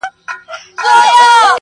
هره ورځ حلالیدل غوايی پسونه -